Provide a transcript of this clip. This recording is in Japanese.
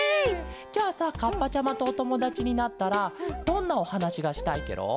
じゃあさカッパちゃまとおともだちになったらどんなおはなしがしたいケロ？